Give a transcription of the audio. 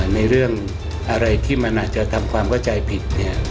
ในเรื่องอะไรที่มันอาจจะทำความเข้าใจผิด